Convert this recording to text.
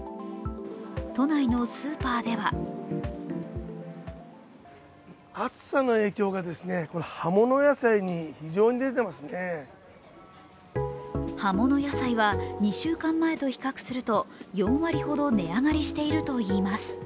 都内のスーパーでは葉物野菜は２週間前と比較すると４割ほど値上がりしているといいます。